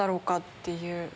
っていう。